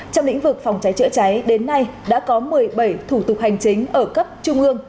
trong lĩnh vực phòng cháy chữa cháy đến nay đã có một mươi bảy thủ tục hành chính ở cấp trung ương